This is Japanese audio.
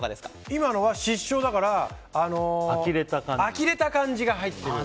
今のは失笑だからあきれた感じが入ってる。